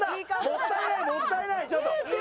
もったいないもったいないちょっと。